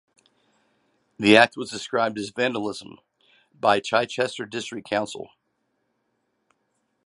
The act was described as vandalism by Chichester District Council.